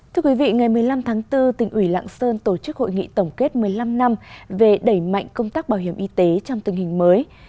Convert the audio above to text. thưa quý vị ngày một mươi năm tháng bốn tỉnh ủy lạng sơn tổ chức hội nghị tổng kết một mươi năm năm về đẩy mạnh công tác bảo hiểm y tế trong tình hình mới